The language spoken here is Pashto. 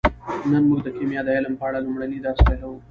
نن موږ د کیمیا د علم په اړه لومړنی درس پیلوو